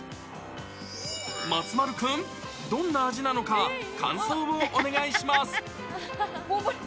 松丸君、どんな味なのか、感想をお願いします。